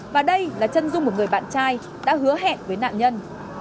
và đây là chân dung của người bạn trai đã hứa hẹn với nạn nhân